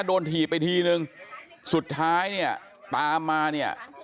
ถีบไปทีนึงสุดท้ายเนี่ยตามมาเนี่ย